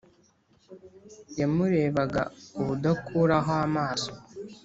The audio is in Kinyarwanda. yamurebaga ubudakuraho amaso,